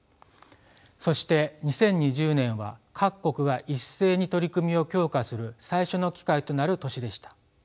そして２０２０年は各国が一斉に取り組みを強化する最初の機会となる年でした。